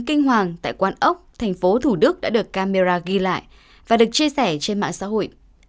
kinh hoàng tại quán ốc thành phố thủ đức đã được camera ghi lại và được chia sẻ trên mạng xã hội